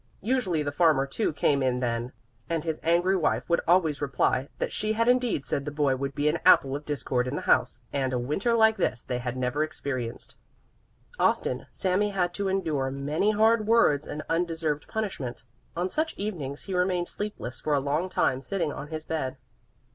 Usually the farmer too came in then, and his angry wife would always reply that she had indeed said the boy would be an apple of discord in the house, and a Winter like this they had never experienced. Often Sami had to endure many hard words and undeserved punishment. On such evenings he remained sleepless for a long time sitting on his bed.